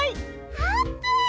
あーぷん！